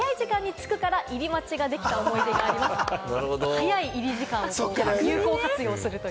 早い入り時間を有効活用するという。